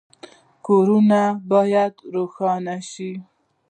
کورونه باید روښانه شي